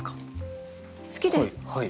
好きです。